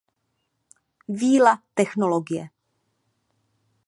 Víla Technologie.